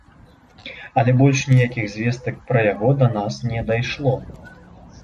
Але больш ніякіх звестак пра яго да нас не дайшло.